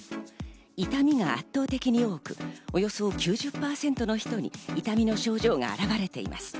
痛みが圧倒的に多く、およそ９０％の人に痛みの症状が現れています。